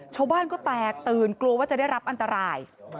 ชาวบ้านก็แตกตื่นกลัวว่าจะได้รับอันตราย